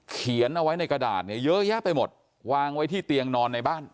เขียนเอาไว้ในกระดาษเนี่ยเยอะแยะไปหมดวางไว้ที่เตียงนอนในบ้าน